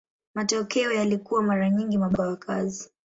Matokeo yalikuwa mara nyingi mabaya kwa wakazi.